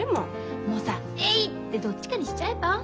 もうさえいってどっちかにしちゃえば？